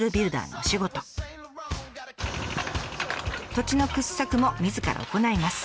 土地の掘削もみずから行います。